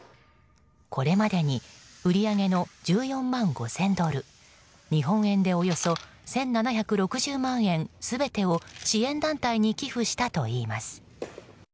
これまでに売り上げの１４万５０００ドル日本円でおよそ１７６０万円全てを支援団体に寄付したといいます。